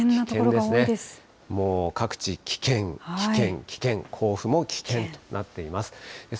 もう各地、危険、危険、危険、甲府も危険となっています。